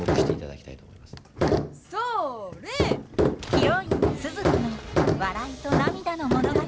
ヒロインスズ子の笑いと涙の物語。